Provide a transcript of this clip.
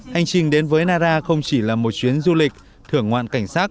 hành trình đến với nara không chỉ là một chuyến du lịch thưởng ngoạn cảnh sát